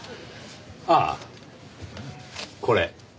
ああこれ。